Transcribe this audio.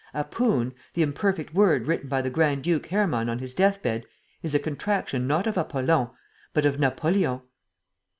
APOON, the imperfect word written by the Grand duke Hermann on his death bed, is a contraction not of Apollon, but of Napoleon."